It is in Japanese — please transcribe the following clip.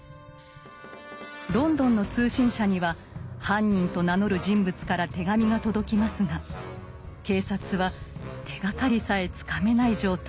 ロンドンの通信社には犯人と名乗る人物から手紙が届きますが警察は手がかりさえつかめない状態。